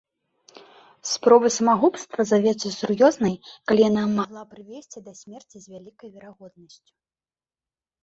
Спроба самагубства завецца сур'ёзнай, калі яна магла прывесці да смерці з вялікай верагоднасцю.